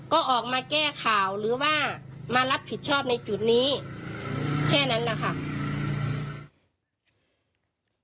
ก็ออกมาแก้ข่าวหรือว่ามารับผิดชอบในจุดนี้แค่นั้นแหละค่ะ